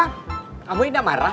kamu ini gak marah